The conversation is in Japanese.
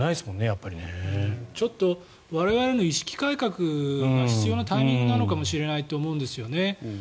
我々の意識改革が必要なタイミングなのかもしれないと思うんですね。